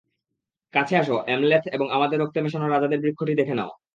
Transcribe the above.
কাছে আসো, অ্যামলেথ, এবং আমাদের রক্তে মেশানো রাজাদের বৃক্ষটি দেখে নাও।